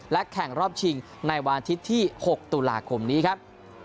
และแข่งรอบชิงในวันอาทิตย์ที่๖ตุลาคมนี้ครับ